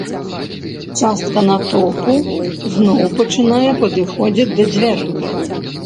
Частка натоўпу зноў пачынае падыходзіць да дзвярэй.